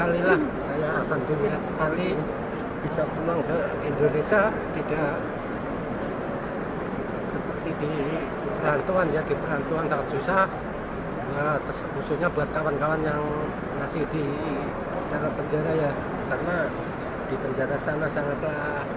di penjara sana sana telah menyedihkan sekali